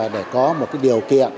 để có một điều kiện